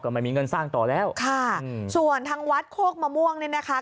ไม่มีเงินสร้างต่อแล้วค่ะส่วนทางวัดโคกมะม่วงเนี่ยนะคะ